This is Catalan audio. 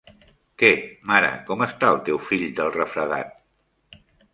Què, mare, com està el teu fill del refredat?